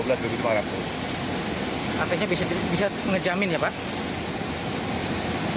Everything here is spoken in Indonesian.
artinya bisa mengejamin ya pak